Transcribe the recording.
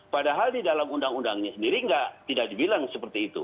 padahal di dalam undang undangnya sendiri tidak dibilang seperti itu